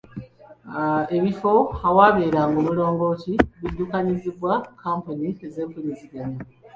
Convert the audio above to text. Ebifo awabeera omulongooti biddukanyizibwa Kkampuni z'ebyempuliziganya.